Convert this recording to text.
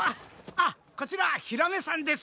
あっこちらヒラメさんです。